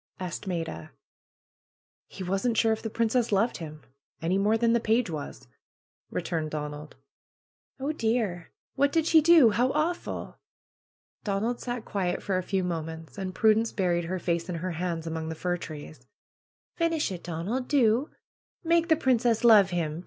asked Maida. "He wasn't sure if the princess loved him, any more than the page was," returned Donald. PRUE'S GARDENER 205 ^'Oh, dear! What did she do? How awful!" Donald sat quiet for a few minutes. And Prudence buried her face in her hands, among the fir trees. ^'Finish it, Donald ! Do ! Make the princess love him!